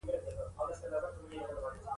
د ضایع شوي وخت په خاطر پښېماني.